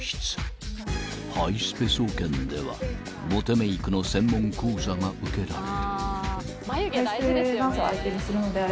［ハイスペ総研ではモテメークの専門講座が受けられる］